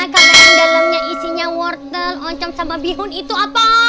karena yang dalamnya isinya wortel oncom sama bihun itu apa